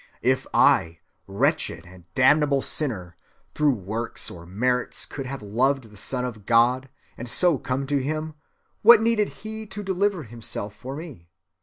If I, wretched and damnable sinner, through works or merits could have loved the Son of God, and so come to him, what needed he to deliver himself for me?